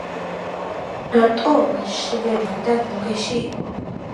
მარტოობა შვება და ნუგეში იყო,